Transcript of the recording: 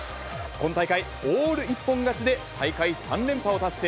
今大会オール一本勝ちで大会３連覇を達成。